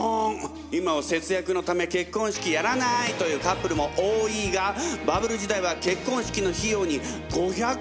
今は節約のため結婚式やらないというカップルも多いがバブル時代は結婚式の費用に５００万以上が当たり前！